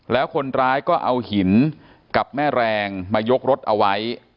แล้วคนร้ายก็เอาหินกับแม่แรงมายกรถเอาไว้